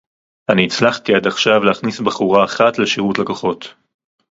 אני הצלחתי עד עכשיו להכניס בחורה אחת לשירות לקוחות